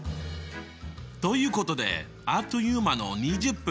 ということであっという間の２０分。